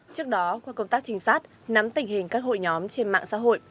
trước đó qua công tác trinh sát nắm tình hình các hội nhóm trên mạng xã hội